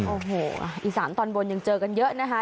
โอ้โหอีสานตอนบนยังเจอกันเยอะนะคะ